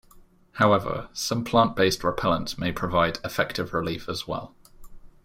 However, some plant-based repellents may provide effective relief as well.